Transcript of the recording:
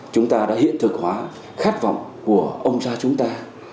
chúng ta đã hiện thực hóa khát vọng của ông cha chúng ta